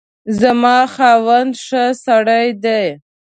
زما خاوند ښه سړی دی